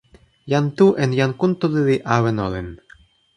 jan Tu en jan Kuntuli li awen olin.